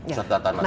pusat data nasional